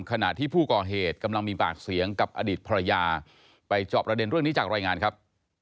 ขณะที่ผู้ก่อเหตุกำลังมีปากเสียงกับอดีตภรรยาไปจอบประเด็นเรื่องนี้จากรายงานครับ